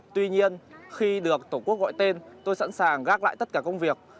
tuy nhiên khi được tổ quốc gọi tên tôi sẵn sàng gác lại tất cả công việc